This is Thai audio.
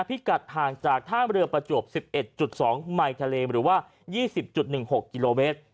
พิกัดห่างจากท่ามเรือประจวบสิบเอ็ดจุดสองไมค์ทะเลหรือว่ายี่สิบจุดหนึ่งหกกิโลเมตร